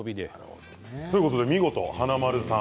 見事、華丸さん